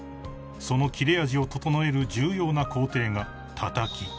［その切れ味を整える重要な工程が］